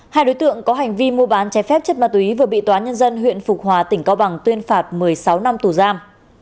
hai đối tượng có hành vi mua bán trái phép chất ma túy vừa bị tòa nhân dân huyện phục hòa tỉnh cao bằng tuyên phạt một mươi sáu năm tù giam